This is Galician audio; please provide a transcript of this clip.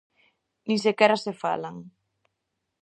Nin sequera se falan.